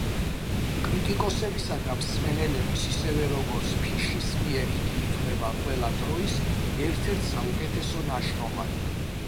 კრიტიკოსებისა და მსმენელების, ისევე, როგორც ფიშის მიერ იგი ითვლება ყველა დროის ერთ-ერთ საუკეთესო ნაშრომად.